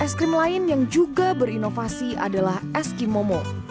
es krim lain yang juga berinovasi adalah eski momo